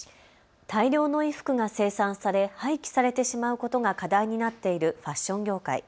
大量の衣服が生産され廃棄されてしまうことが課題になっているファッション業界。